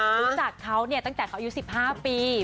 รู้จักเขาเนี่ยตั้งแต่เขายิ้วสิบห้าปี